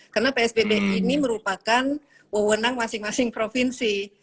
karena psbb ini merupakan wewenang masing masing provinsi